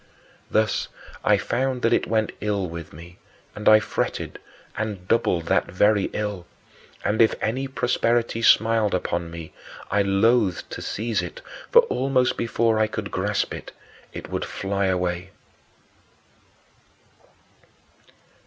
Thus I found that it went ill with me; and I fretted, and doubled that very ill. And if any prosperity smiled upon me, I loathed to seize it, for almost before I could grasp it, it would fly away.